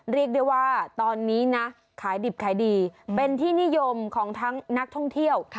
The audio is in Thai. เรียกได้ว่าตอนนี้นะขายดิบขายดีเป็นที่นิยมของทั้งนักท่องเที่ยว